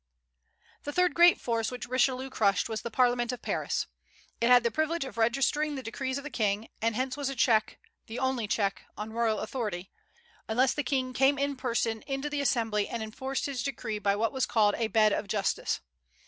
The third great force which Richelieu crushed was the parliament of Paris. It had the privilege of registering the decrees of the King; and hence was a check, the only check, on royal authority, unless the King came in person into the assembly, and enforced his decree by what was called a "bed of justice."